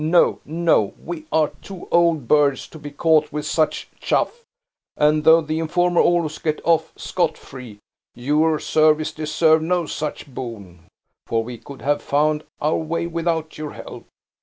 No, no; we are too old birds to be caught with such chaff; and though the informer always gets off scot free, your services deserve no such boon; for we could have found our way without your help!